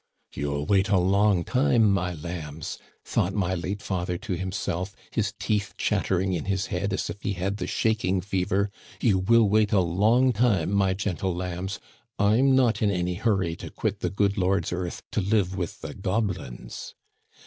"* You'll wait a long time, my lambs,' thought my late father to himself, his teeth chattering in his head as if he had the shaking fever —* you will wait a long time, my gentle lambs. I'm not in any hurry to quit the good Lord's earth to live with the goblins